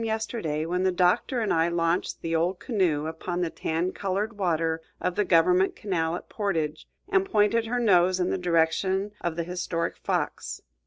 yesterday when the Doctor and I launched the old canoe upon the tan colored water of the government canal at Portage, and pointed her nose in the direction of the historic Fox.